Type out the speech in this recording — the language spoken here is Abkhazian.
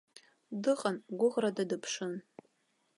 Дыҟан, гәыӷрада дыԥшын.